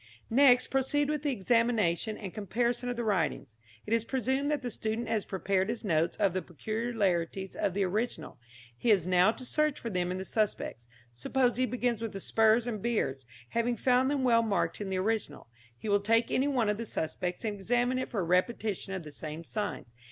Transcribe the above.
Next proceed with the examination and comparison of the writings. It is presumed that the student has prepared his notes of the peculiarities of the original; he has now to search for them in the suspects. Suppose he begins with the spurs and beards, having found them well marked in the original. He will take any one of the suspects and examine it for a repetition of the same signs.